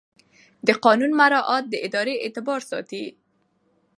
د قانون مراعات د ادارې اعتبار ساتي.